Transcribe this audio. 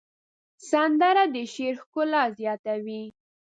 سندره د شعر ښکلا زیاتوي